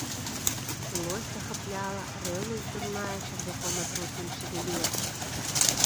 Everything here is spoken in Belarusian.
Злосць ахапляла, рэўнасць дурная чарвяком атрутным шавялілася.